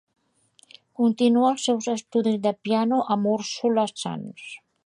Continuà els seus estudis de piano amb Úrsula Sans.